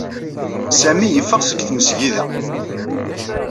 Sami yeffeɣ seg tmesgida.